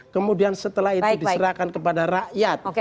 kemudian setelah itu diserahkan kepada rakyat